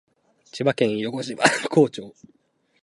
千葉県横芝光町